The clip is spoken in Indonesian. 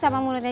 saya muncul ini